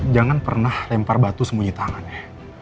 jangan pernah lempar batu sembunyi tangannya